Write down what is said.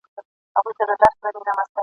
داسي ورځ به راسي چي رویبار به درغلی وي ..